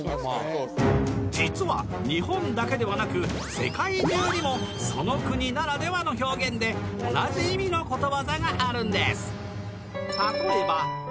実は日本だけではなく世界中にもその国ならではの表現で同じ意味の「ことわざ」があるんです